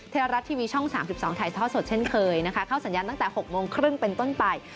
ไทยรัฐทีวีช่อง๓๒ถ่ายทอดสดเช่นเคยนะคะเข้าสัญญาณตั้งแต่๖โมงครึ่งเป็นต้นไป